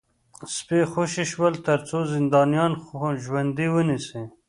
سپي خوشي شول ترڅو زندانیان ژوندي ونیسي